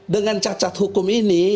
dengan cacat hukum ini